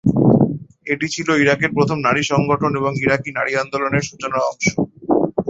এটি ছিল ইরাকের প্রথম নারী সংগঠন এবং ইরাকী নারী আন্দোলনের সূচনা অংশ।